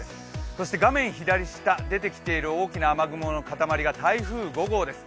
そして画面左下、出てきている大きな雨雲の塊が台風５号です。